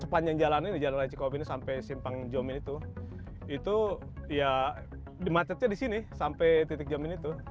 sepanjang jalan ini jalan lajikob ini sampai simpang jamin itu itu ya macetnya di sini sampai titik jamin itu